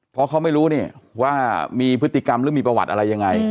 เพราะเขาไม่รู้นี่ว่ามีพฤติกรรมหรือมีประวัติอะไรยังไง